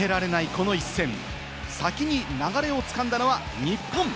この一戦、先に流れを掴んだのは日本。